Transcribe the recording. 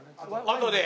あとで？